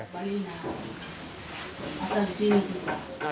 kita disini juga